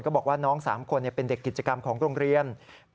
บอกว่าน้อง๓คนเป็นเด็กกิจกรรมของโรงเรียน